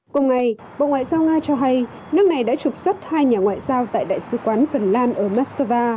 cùng ngày bộ ngoại giao nga cho hay nước này đã trục xuất hai nhà ngoại giao tại đại sứ quán phần lan ở moscow